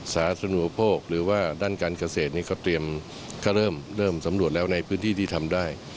สาธุโภคหรือว่าด้านการเกษตรนี้ก็เตรียมก็เริ่มสำรวจแล้วในพื้นที่ที่ทำได้